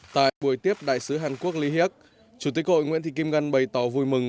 tại buổi tiếp đại sứ hàn quốc lý hiếc chủ tịch hội nguyễn thị kim ngân bày tỏ vui mừng